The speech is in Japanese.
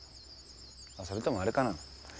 それともあれかな？